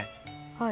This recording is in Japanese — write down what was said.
はい。